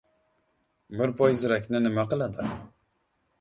— Bir poy zirakni nima qiladi?